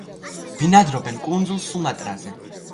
ბინადრობენ კუნძულ სუმატრაზე.